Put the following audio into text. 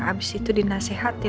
abis itu dinasehatkan